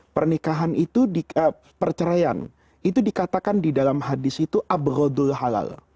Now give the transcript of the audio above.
pernikahan itu perceraian itu dikatakan di dalam hadis itu abrodul halal